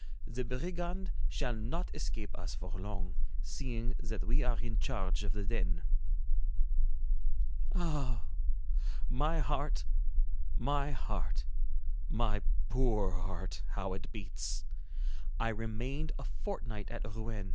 The brigand shall not escape us for long, seeing that we are in charge of the den." Ah! My heart, my heart, my poor heart, how it beats! I remained a fortnight at Rouen.